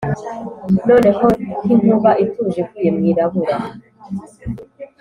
noneho nkinkuba ituje ivuye mwirabura